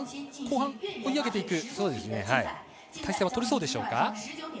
後半、追い上げていく態勢は取れそうでしょうか。